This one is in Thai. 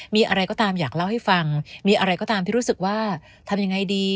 มีอะไรก็ตามอยากเล่าให้ฟังมีอะไรก็ตามที่รู้สึกว่าทำยังไงดี